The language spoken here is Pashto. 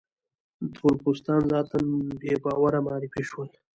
تور پوستان ذاتاً بې باوره معرفي شول.